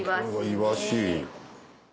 イワシに。